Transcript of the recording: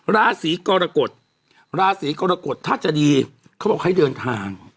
ราศีกรกฎราศีกรกฎถ้าจะดีเขาบอกให้เดินทาง